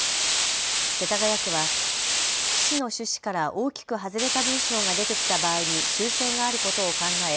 世田谷区は区史の趣旨から大きく外れた文章が出てきた場合に修正があることを考え